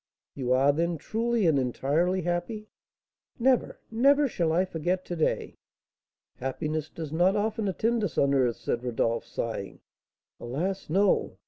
"You are, then, truly and entirely happy?" "Never, never shall I forget to day." "Happiness does not often attend us on earth," said Rodolph, sighing. "Alas, no!